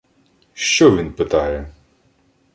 «Що він питає?»